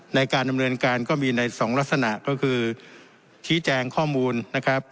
ในการดำเนินการก็มีในสองลักษณะก็คือชี้แจงข้อมูลนะครับ